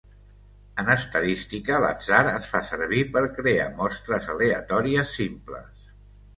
En estadística, l'atzar es fa servir per crear mostres aleatòries simples.